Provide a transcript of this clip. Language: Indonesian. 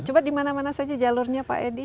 coba dimana mana saja jalurnya pak edi